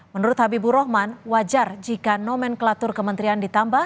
menurut habibur rahman wajar jika nomenklatur kementerian ditambah